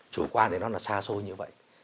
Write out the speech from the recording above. chủ quan thì nó là xa xôi như vậy